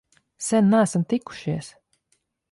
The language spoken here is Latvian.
Sen neesam tikušies!